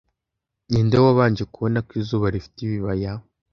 Ninde wabanje kubona ko izuba rifite ibibaya